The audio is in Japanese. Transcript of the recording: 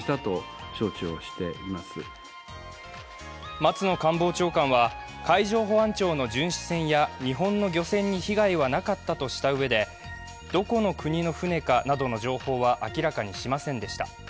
松野官房長官は海上保安庁の巡視船や日本の漁船に被害はなかったとしたうえで、どこの国の船かなどの情報は明らかにしませんでした。